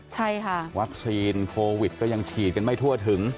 ใช่ค่ะวัคซีนโควิดก็ยังฉีดกันไม่ทั่วถึง